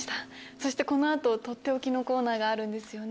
そしてこの後とっておきのコーナーがあるんですよね。